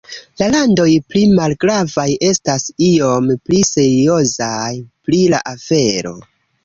La landoj pli malgravaj estas iom pli seriozaj pri la afero.